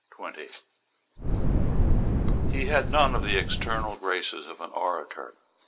He had none of the external graces of an orator.